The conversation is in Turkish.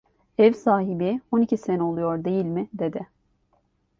Ev sahibi: "On iki sene oluyor, değil mi?" dedi.